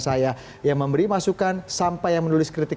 saat media lokal mulai mengangkat